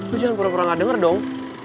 terus jangan pura pura gak denger dong